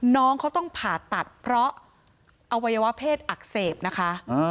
น้องเขาต้องผ่าตัดเพราะอวัยวะเพศอักเสบนะคะ